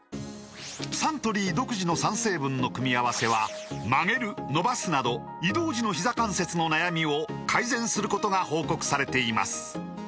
サントリー独自の３成分の組み合わせは曲げる伸ばすなど移動時のひざ関節の悩みを改善することが報告されています